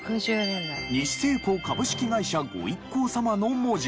「西精工株式会社御一行様」の文字が。